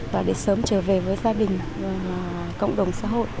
và để sớm trở về với gia đình cộng đồng xã hội